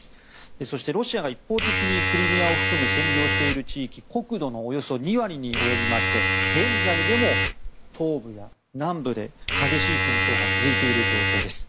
そしてロシアが一方的にクリミアを含む占領している地域国土のおよそ２割に及びまして現在でも、東部や南部で激しい戦闘が続いている状況です。